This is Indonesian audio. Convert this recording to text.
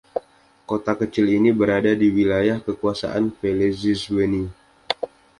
Kota kecil ini berada di wilayah kekuasaan Velezizweni.